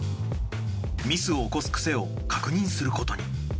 ミスを起こすクセを確認することに。